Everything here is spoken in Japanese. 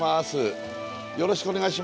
よろしくお願いします。